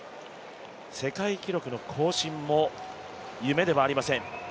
世界記録の更新も夢ではありません。